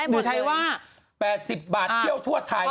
ดูใช้ว่า๘๐บาทเที่ยวทั่วไทย